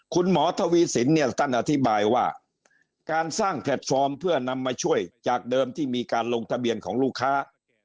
คุณหมอทวีสินเนี่ยท่านอธิบายว่าการสร้างแพลตฟอร์มเพื่อนำมาช่วยจากเดิมที่มีการลงทะเบียนของลูกค้า